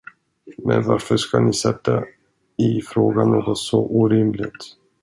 Men varför skall ni sätta i fråga något så orimligt?